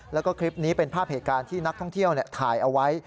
แล้วก็คลิปนี้เป็นภาพเหตุการณ์ที่นักท่องเที่ยวถ่ายเอาไว้